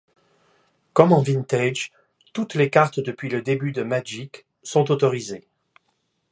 Comme en Vintage, toutes les cartes depuis le début de Magic sont autorisées.